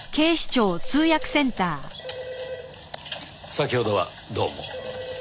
先ほどはどうも。